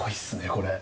これ！